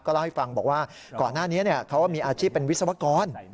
เล่าให้ฟังบอกว่าก่อนหน้านี้เขามีอาชีพเป็นวิศวกร